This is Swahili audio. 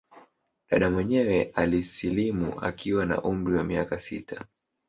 Dada mwenyewe alisilimu akiwa na umri wa miaka sita